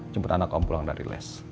jemput anak kaum pulang dari les